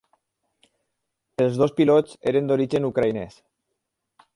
Els dos pilots eren d'origen ucraïnès.